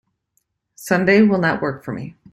Sunday will not work for me.